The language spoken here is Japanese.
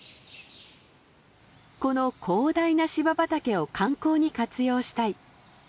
この広大な芝畑を観光に活用したい。